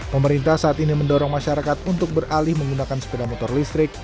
pemerintah saat ini mendorong masyarakat untuk beralih menggunakan sepeda motor listrik